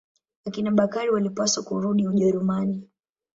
Akina Bakari walipaswa kurudi Ujerumani.